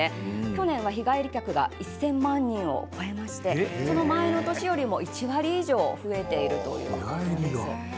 去年は日帰り客が１０００万人を超えましてその前の年よりも１割以上増えているということです。